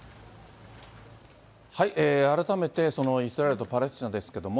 改めてそのイスラエルとパレスチナですけども。